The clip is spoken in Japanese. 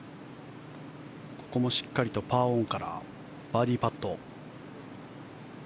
ここもしっかりとパーオンからバーディーパット。